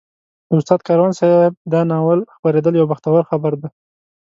د استاد کاروان صاحب د ناول خپرېدل یو بختور خبر دی.